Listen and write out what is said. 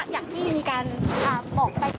อย่างที่มีการบอกไป